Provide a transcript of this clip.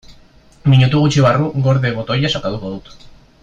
Minutu gutxi barru "gorde" botoia sakatuko dut.